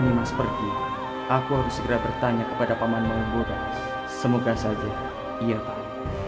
nimas pergi aku harus segera bertanya kepada paman mahmud budas semoga saja ia baik